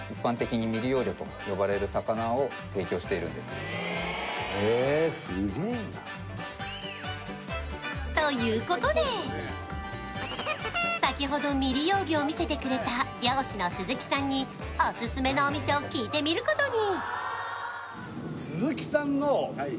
うわ、おいしそう！ということで、先ほど未利用魚を見せてくれた漁師の鈴木さんに、おすすめのお店を聞いてみることに。